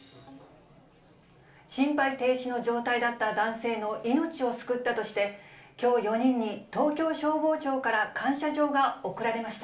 心肺停止の状態だった男性の命を救ったとして、きょう４人に東京消防庁から感謝状が贈られました。